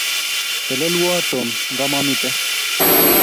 Telelwo Tom ngomomite